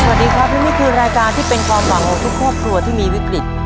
สวัสดีครับและนี่คือรายการที่เป็นความหวังของทุกครอบครัวที่มีวิกฤต